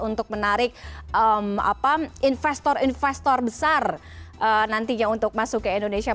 untuk menarik investor investor besar nantinya untuk masuk ke indonesia